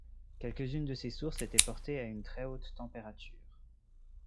Quelques-unes de ces sources étaient portées à une très-haute température.